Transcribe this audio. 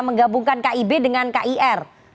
menggabungkan kib dengan kir